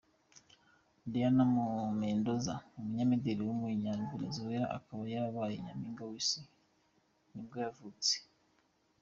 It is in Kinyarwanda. Dayana Mendoza, umunyamideli w’umunya-Venezuela akaba yarabaye nyampinga w’isi wa nibwo yavutse.